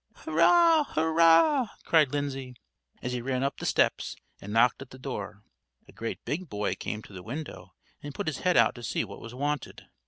"Hurrah! hurrah!" cried Lindsay, as he ran up the steps and knocked at the door. A great big boy came to the window and put his head out to see what was wanted.